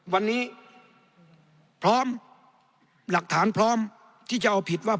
วันนี้พร้อมหลักฐานพร้อมที่จะเอาผิดว่า